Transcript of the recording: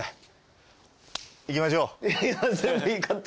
行きましょう。